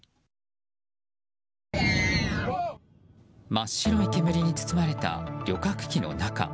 真っ白い煙に包まれた旅客機の中。